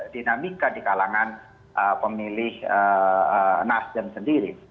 dinamika di kalangan pemilih nasdem sendiri